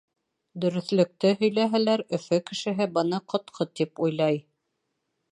Дөрөҫлөктө һөйләһәләр, Өфө кешеһе быны ҡотҡо тип уйлай.